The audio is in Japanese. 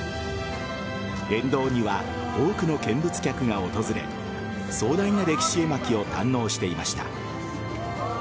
沿道には多くの見物客が訪れ壮大な歴史絵巻を堪能していました。